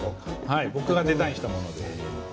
はい、僕がデザインしたものです。